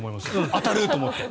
当たる！と思って。